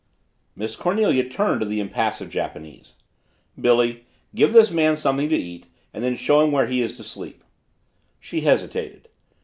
Miss Cornelia turned to the impassive Japanese. "Billy, give this man something to eat and then show him where he is to sleep." She hesitated.